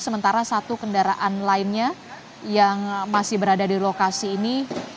sementara satu kendaraan lainnya yang masih berada di lokasi ini